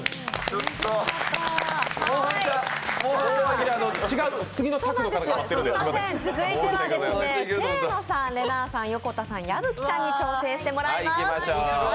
続いては清野さん、れなぁさん、横田さん、矢吹さんに挑戦してもらいます。